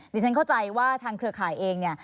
เดี๋ยวฉันเข้าใจว่าทางเครือข่ายเอง